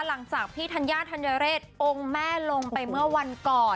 หลังจากพี่ธัญญาธัญเรศองค์แม่ลงไปเมื่อวันก่อน